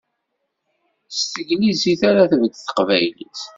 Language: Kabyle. S teglizit ara tbedd teqbaylit!